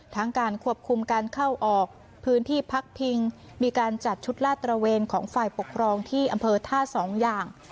การควบคุมการเข้าออกพื้นที่พักพิงมีการจัดชุดลาดตระเวนของฝ่ายปกครองที่อำเภอท่าสองอย่าง